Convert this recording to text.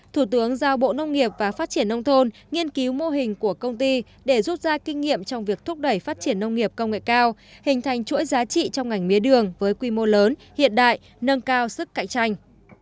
thủ tướng giao bộ nông nghiệp và phát triển nông thôn nghiên cứu mô hình của công ty để rút ra kinh nghiệm trong việc thúc đẩy phát triển nông nghiệp công nghệ cao hình thành chuỗi giá trị trong ngành mía đường với quy mô lớn hiện đại nâng cao sức cạnh tranh